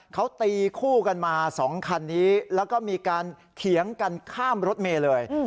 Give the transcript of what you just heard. เขาตีคู่กันมา๒คันนี้แล้วก็มีการเถียงกันข้ามรถเมย์เลย